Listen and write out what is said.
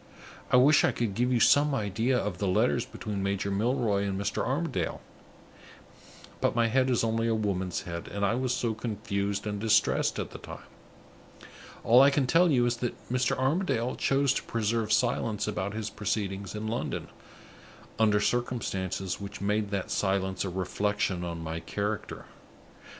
I wish I could give you some idea of the letters between Major Milroy and Mr. Armadale; but my head is only a woman's head, and I was so confused and distressed at the time! All I can tell you is that Mr. Armadale chose to preserve silence about his proceedings in London, under circumstances which made that silence a reflection on my character.